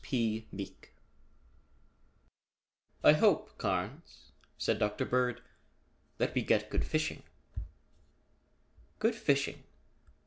] "I hope, Carnes," said Dr. Bird, "that we get good fishing." "Good fishing?